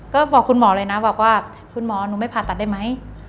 ก็บอกคุณหมอเลยนะบอกว่าคุณหมอหนูไม่ผ่าตัดได้ไหม